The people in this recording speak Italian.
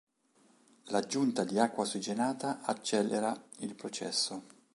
L'aggiunta di acqua ossigenata accelera il processo.